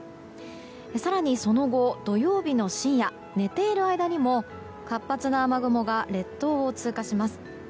更にその後、土曜日の深夜寝ている間にも活発な雨雲が列島を通過します。